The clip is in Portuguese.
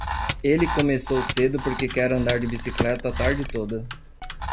Ele começou cedo porque quer andar de bicicleta a tarde toda.